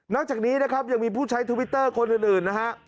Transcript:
จากนี้นะครับยังมีผู้ใช้ทวิตเตอร์คนอื่นนะฮะ